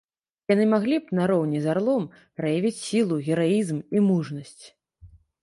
Яны маглі б, нароўні з арлом, праявіць сілу, гераізм і мужнасць.